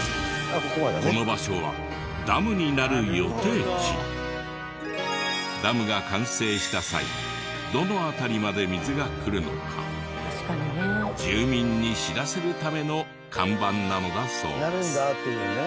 この場所はダムが完成した際どの辺りまで水がくるのか住民に知らせるための看板なのだそうです。